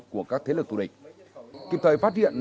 của các thế lực thù địch kịp thời phát hiện